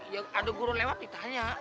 jadi ya ada guru lewat ditanya